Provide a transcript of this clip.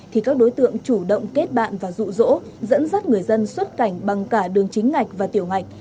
thì các đối tượng chủ động kết bạn và rụ rỗ dẫn dắt người dân xuất cảnh bằng cả đường chính ngạch và tiểu ngạch